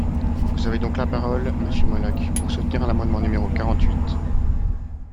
Vous avez donc la parole, monsieur Molac, pour soutenir l’amendement numéro quarante-huit.